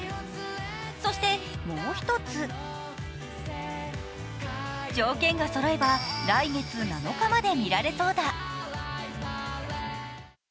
そしてもう一つ、条件がそろえば来月７日まで見られそうだ。